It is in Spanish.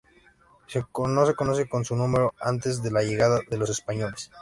No se conoce su número antes de la llegada de los españoles.